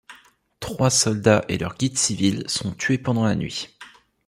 Trois soldats et leur guide civil sont tués pendant la nuit.